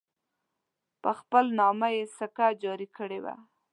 په خپل نامه یې سکه جاري کړې وه.